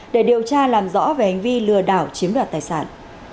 để điều tra làm rõ về hành vi lừa đảo chiếm đoạt tài sản